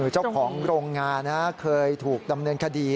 เจ้าของโรงงานเคยถูกดำเนินคดี